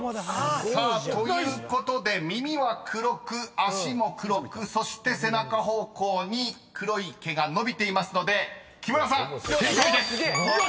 ［ということで耳は黒く脚も黒くそして背中方向に黒い毛がのびていますので木村さん正解です！］